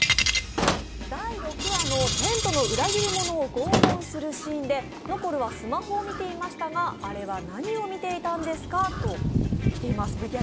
第６話のテントの裏切り者を拷問するシーンで、ノコルはスマホを見ていましたが、あれは何を見ていたんですか？ときています。